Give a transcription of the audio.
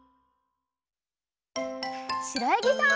しろやぎさん。